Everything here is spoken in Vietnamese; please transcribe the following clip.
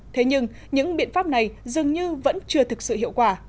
thế nhưng những biện pháp này dường như vẫn chưa thực sự hiệu quả